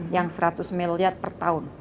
yang seratus miliar per tahun